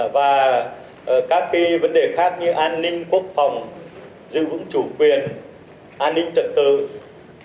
và các cái vấn đề khác như an ninh quốc phòng dự vững chủ quyền an ninh trật tự v v